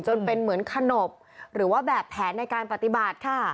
จนเป็นเหมือนขนบหรือว่าแบบแผนในการปฏิบัติค่ะ